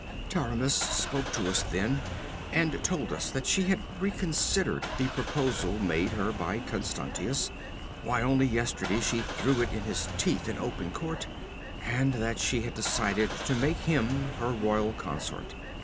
'Taramis spoke to us then, and told us that she had reconsidered the proposal made her by Constantius why, only yesterday she threw it in his teeth in open court and that she had decided to make him her royal consort.